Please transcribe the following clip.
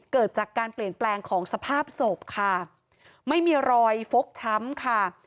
เกิดจากการเปลี่ยนแปลงของสภาพศพค่ะไม่มีรอยฟกช้ำค่ะ